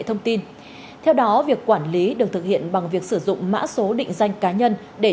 thông tin theo đó việc quản lý được thực hiện bằng việc sử dụng mã số định danh cá nhân để